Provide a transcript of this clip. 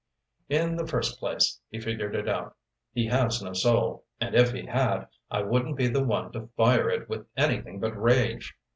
"In the first place," he figured it out, "he has no soul, and if he had, I wouldn't be the one to fire it with anything but rage."